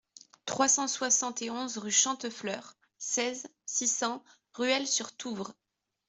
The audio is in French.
trois cent soixante et onze rue Chantefleur, seize, six cents, Ruelle-sur-Touvre